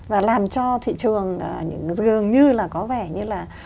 và làm cho thị trường dường như là có vẻ như là